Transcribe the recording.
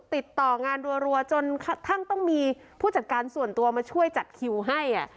ติดต่องานรัวจนกระทั่งต้องมีผู้จัดการส่วนตัวมาช่วยจัดคิวให้